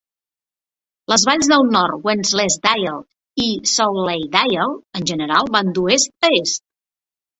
Les valls del nord, Wensleydale i Swaledale, en general van d'oest a est.